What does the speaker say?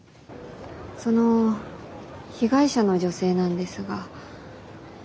その被害者の女性なんですが。